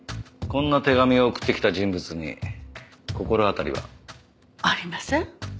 こんな手紙を送ってきた人物に心当たりは？ありません。